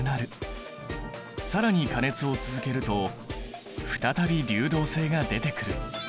更に加熱を続けると再び流動性が出てくる。